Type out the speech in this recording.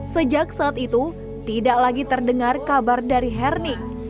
sejak saat itu tidak lagi terdengar kabar dari herning